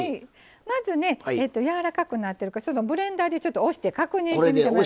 まずね柔らかくなってるかブレンダーでちょっと押して確認してみて。